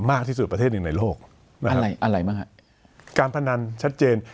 มากที่สุดประเทศหนึ่งในโลกอะไรอะไรบ้างฮะการพนันชัดเจน